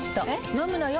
飲むのよ。